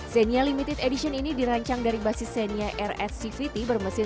xenia limited edition ini dirancang dari basis xenia rs cvt bermesin dua ribu tiga belas